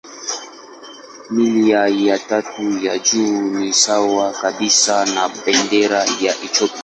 Milia ya tatu ya juu ni sawa kabisa na bendera ya Ethiopia.